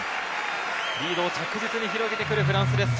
リードを着実に広げてくるフランスです。